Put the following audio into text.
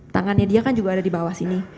tangannya dia kan juga ada dibawah sini